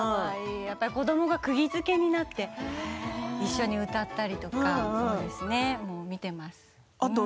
子どもがくぎづけになって一緒に歌ったりとか見ています。